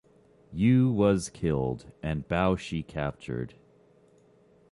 You was killed, and Bao Si captured.